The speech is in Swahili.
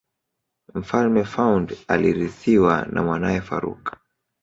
mfalme faund alirithiwa na mwanae farouk